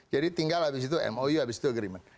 jadi tinggal abis itu mou abis itu agreement